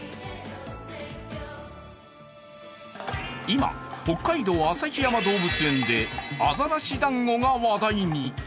今、北海道旭山動物園であざらし団子が話題に。